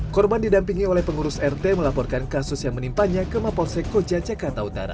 korban didampingi oleh pengurus rt melaporkan kasus yang menimpannya ke mapolsek koja jakarta utara